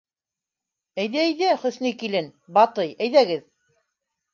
Әйҙә, әйҙә, Хөснөй килен, Батый, әйҙәгеҙ!